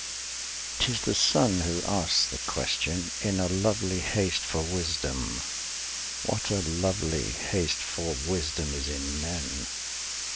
'T is the sun who asks the question, in a lovely haste for wisdom What a lovely haste for wisdom is in men?